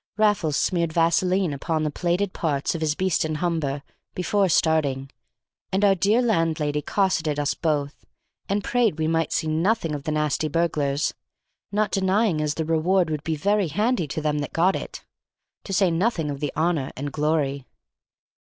Raffles smeared vaseline upon the plated parts of his Beeston Humber before starting, and our dear landlady cosseted us both, and prayed we might see nothing of the nasty burglars, not denying as the reward would be very handy to them that got it, to say nothing of the honor and glory.